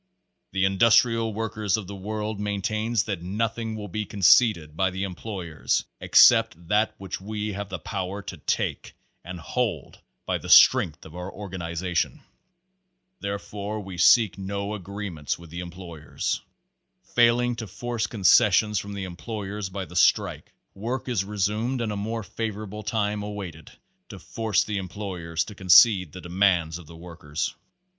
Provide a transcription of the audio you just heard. The Industrial Workers of the World maintains that nothing will be conceded by the employers except ) that which we have the power to take and hold by the / strength of our organization. Therefore we seek no i agreements with the employers. Failing to force concessions from the employers by the strike, work is resumed and a more favorable time awaited to force the employers to concede the demands of the workers.